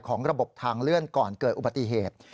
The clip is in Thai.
ระบบทางเลื่อนก่อนเกิดอุบัติเหตุ